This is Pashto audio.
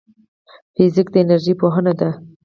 فزیک د انرژۍ پوهنه ده